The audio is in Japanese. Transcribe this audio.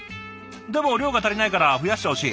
でも量が足りないから増やしてほしい」。